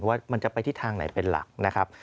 ว่ามันจะไปที่ทางไหนเป็นหลักนะครับ